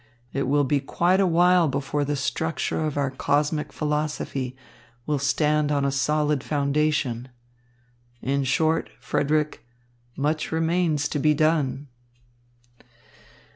"It will be quite a while before the structure of our cosmic philosophy will stand on a solid foundation. In short, Frederick, much remains to be done."